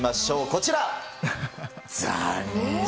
こちら。